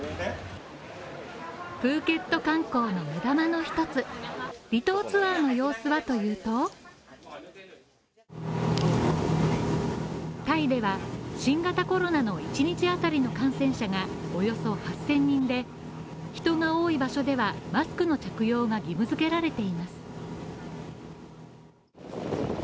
プーケット観光の目玉の一つ、離島ツアーの様子はというとタイでは新型コロナの１日あたりの感染者がおよそ８０００人で、人が多い場所ではマスクの着用が義務付けられています。